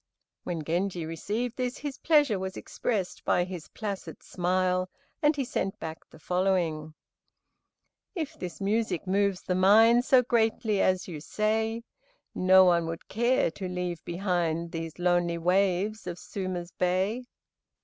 When Genji received this, his pleasure was expressed by his placid smile, and he sent back the following: "If this music moves the mind So greatly as you say, No one would care to leave behind These lonely waves of Suma's bay."